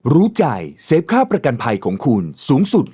รู้ใจเซฟค่าประกันภัยของคุณสูงสุด